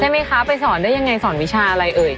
ไหมคะไปสอนได้ยังไงสอนวิชาอะไรเอ่ย